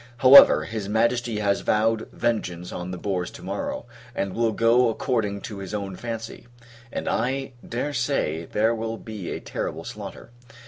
However, his Majesty has vowed vengeance on the boars to morrow, and will go according to his own fancy; and, I dare say, there will be a terrible slaughter.